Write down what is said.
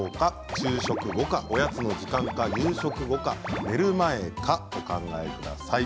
昼食後かおやつの時間か夕食後か寝る前かお考えください。